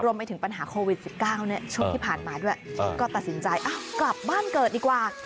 ไปถึงปัญหาโควิด๑๙ช่วงที่ผ่านมาด้วยก็ตัดสินใจกลับบ้านเกิดดีกว่า